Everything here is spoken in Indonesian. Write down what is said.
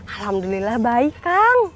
alhamdulillah baik kang